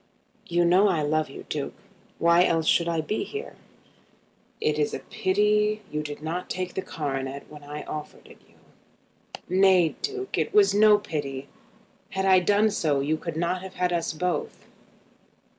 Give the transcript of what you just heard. "You know I love you, Duke. Why else should I be here?" "It is a pity you did not take the coronet when I offered it you." "Nay, Duke, it was no pity. Had I done so, you could not have had us both."